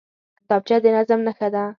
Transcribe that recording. کتابچه د نظم نښه ده